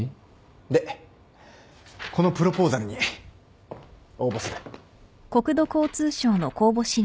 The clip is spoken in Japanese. でこのプロポーザルに応募する。